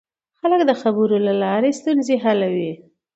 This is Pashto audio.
خلک د خبرو له لارې ستونزې حلوي